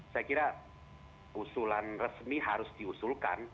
saya kira usulan resmi harus diusulkan